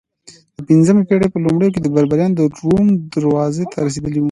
د پنځمې پېړۍ په لومړیو کې بربریان د روم دروازو ته رسېدلي وو